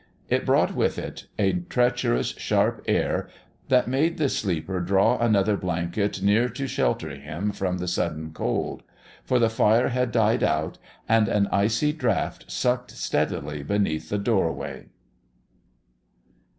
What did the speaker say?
It brought with it a treacherous, sharp air that made the sleeper draw another blanket near to shelter him from the sudden cold. For the fire had died out, and an icy draught sucked steadily beneath the doorway.